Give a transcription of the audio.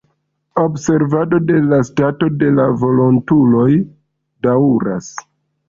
Observado de la stato de la volontuloj daŭras.